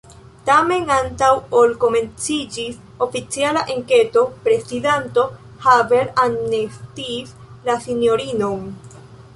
Tamen, antaŭ ol komenciĝis oficiala enketo, prezidanto Havel amnestiis la sinjorinon.